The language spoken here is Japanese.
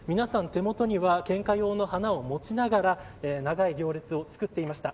手元には献花用の花を持ちながら長い行列を作っていました。